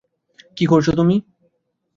কি করছ তুমি?